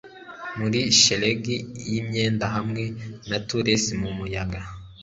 Muri shelegi yimyenda hamwe na tulles mumuyaga